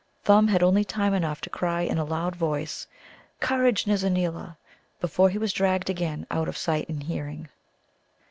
Thumb had only time enough to cry in a loud voice, "Courage, Nizza neela," before he was dragged again out of sight and hearing.